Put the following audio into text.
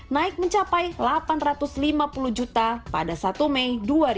naik mencapai delapan ratus lima puluh juta pada satu mei dua ribu dua puluh